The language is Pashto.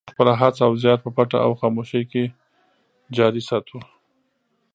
موږ خپله هڅه او زیار په پټه او خاموشۍ کې جاري ساتو.